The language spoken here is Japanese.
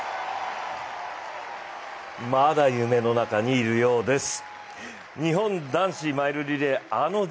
まだ夢の中にいるようです。